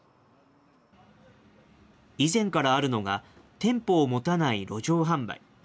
以前からあるのが、店舗を持たない路上販売。